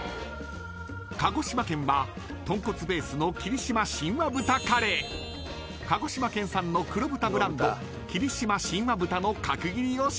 ［鹿児島県はとんこつベースの霧島神話豚カレー］［鹿児島県産の黒豚ブランド霧島神話豚の角切りを使用］